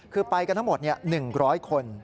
คือไปกันทั้งหมด๑๐๐คน